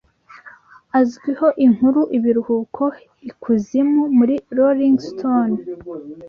Azwiho inkuru "Ibiruhuko i kuzimu" muri Rolingi Sitone